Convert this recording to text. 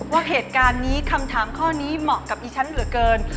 ว่าเหตุการณ์นี้คำถามข้อนี้เหมาะกับดิฉันเหลือเกิน